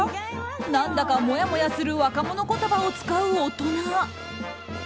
何だか、もやもやする若者言葉を使う大人。